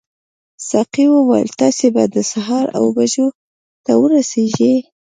ساقي وویل تاسي به د سهار اوو بجو ته ورسیږئ.